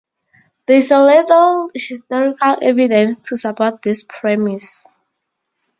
There is little historical evidence to support this premise.